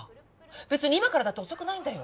別に今からだって遅くないんだよ！